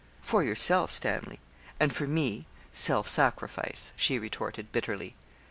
'For yourself, Stanley; and for me, self sacrifice,' she retorted, bitterly.